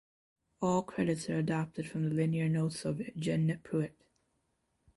All credits are adapted from the liner notes of "Jeanne Pruett".